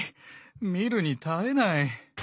見るに耐えない。